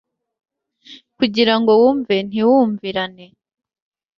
kugirango wumve ntiwumvirane